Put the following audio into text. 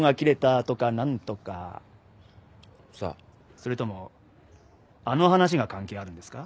それともあの話が関係あるんですか？